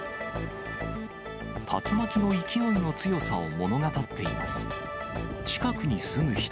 竜巻の勢いの強さを物語っています。